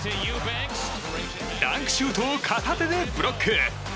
ダンクシュートを片手でブロック！